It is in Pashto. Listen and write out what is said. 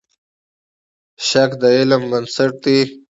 شک د علم بنسټ دی.